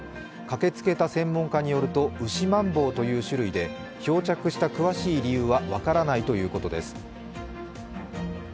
駆けつけた専門家によるとウシマンボウという種類で、漂着した詳しい理由は分からないということです。